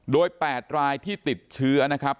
โดย๘รายที่ติดเชื้อนะครับ